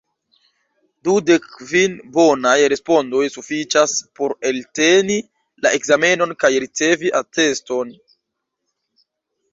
Dudekkvin bonaj respondoj sufiĉas, por elteni la ekzamenon kaj ricevi ateston.